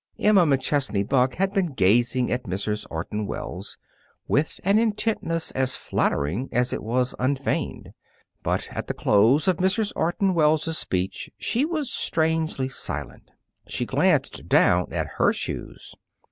Emma McChesney Buck had been gazing at Mrs. Orton Wells with an intentness as flattering as it was unfeigned. But at the close of Mrs. Orton Wells' speech she was strangely silent. She glanced down at her shoes.